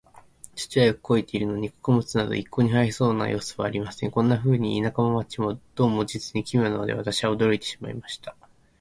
土はよく肥えているのに、穀物など一向に生えそうな様子はありません。こんなふうに、田舎も街も、どうも実に奇妙なので、私は驚いてしまいました。